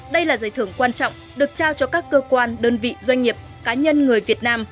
đây là giải thưởng quan trọng được trao cho các cơ quan đơn vị doanh nghiệp cá nhân người việt nam